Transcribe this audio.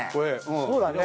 そうだね。